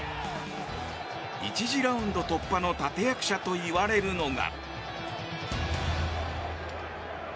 １次ラウンド突破の立役者といわれるのが。